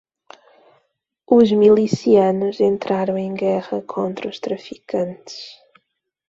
Os milicianos entraram em guerra contra os traficantes.